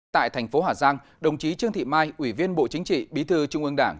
tại thành phố hà giang đồng chí trương thị mai ủy viên bộ chính trị bí thư trung ương đảng